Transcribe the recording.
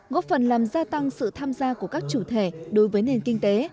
góp phần làm gia tăng sự tham gia của các chủ thể đối với nền kinh tế